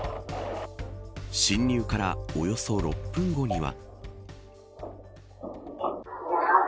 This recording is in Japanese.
侵入からおよそ６分後には。